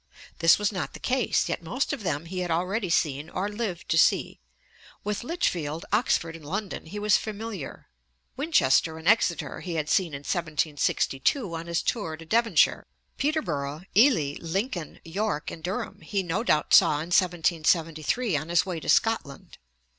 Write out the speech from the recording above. This was not the case, yet most of them he had already seen or lived to see. With Lichfield, Oxford, and London he was familiar. Winchester and Exeter he had seen in 1762 on his tour to Devonshire (ante, i. 377), Peterborough, Ely, Lincoln, York, and Durham he no doubt saw in 1773 on his way to Scotland.